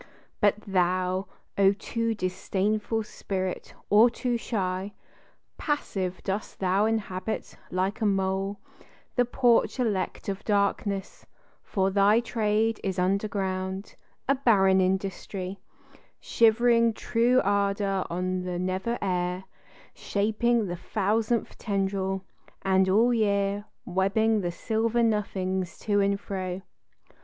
But thou, O too disdainful spirit, or too shy! Passive dost thou inhabit, like a mole, The porch elect of darkness; for thy trade Is underground, a barren industry, Shivering true ardor on the nether air, Shaping the thousandth tendril, and all year Webbing the silver nothings to and fro.